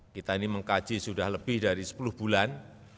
kita ini mengkaji sudah lebih dari sepuluh bulan